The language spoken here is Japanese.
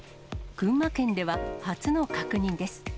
群馬県では初の確認です。